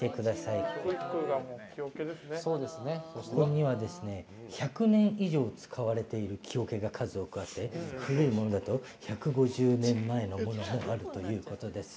ここには１００年以上使われている木桶がございまして古いものだと１５０年前のものもあるそうです。